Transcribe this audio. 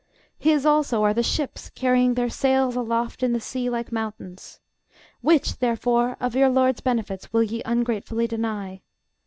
His also are the ships, carrying their sails aloft in the sea like mountains. Which, therefore, of your LORD'S benefits will ye ungratefully deny?